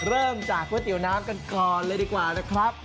เริ่มจากก๋วยเตี๋ยวน้ำกันก่อนเลยดีกว่านะครับ